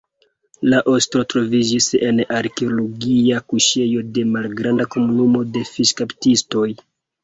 La osto troviĝis en arkeologia kuŝejo de malgranda komunumo de fiŝkaptistoj.